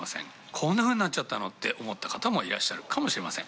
こんなふうになっちゃったの？って思った方もいらっしゃるかもしれません。